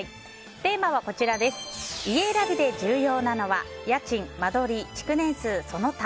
テーマは、家選びで重要なのは家賃・間取り・築年数・その他。